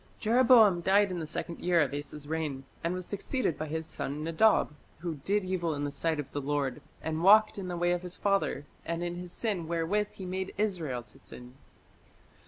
" Jeroboam died in the second year of Asa's reign, and was succeeded by his son Nadab, who "did evil in the sight of the Lord, and walked in the way of his father, and in his sin wherewith he made Israel to sin".